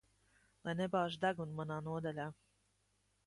Lai nebāž degunu manā nodaļā.